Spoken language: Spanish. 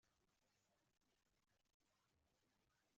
Actualmente trabaja en Win Sports.